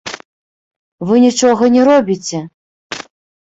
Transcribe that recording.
Вы нічога не робіце!